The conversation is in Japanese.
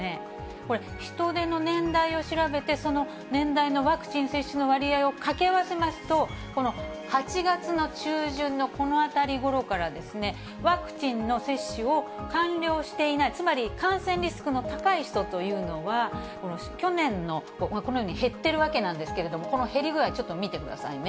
これ、人出の年代を調べて、その年代のワクチン接種の割合を掛け合わせますと、この８月の中旬のこの辺りごろから、ワクチンの接種を完了していない、つまり感染リスクの高い人というのは、去年の、このように減っているわけなんですけれども、この減り具合、ちょっと見てくださいね。